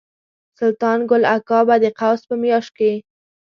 سلطان ګل اکا به د قوس په میاشت کې.